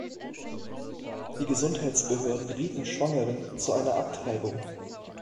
Die Gesundheitsbehörden rieten Schwangeren zu einer Abtreibung.